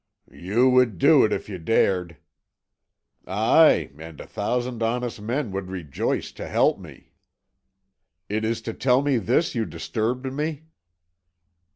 "You would do it if you dared." "Ay and a thousand honest men would rejoice to help me." "Is it to tell me this you disturbed me?"